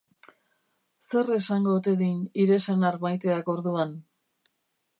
Zer esango ote din hire senar maiteak orduan?